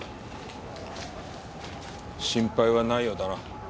心配はないようだな。